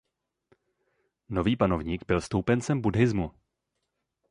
Nový panovník byl stoupencem buddhismu.